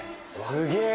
すげえ